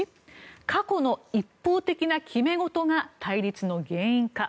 過去の一方的な決め事が対立の原因か。